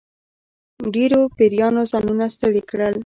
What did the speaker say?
ډېرو پیرانو ځانونه ستړي کړل.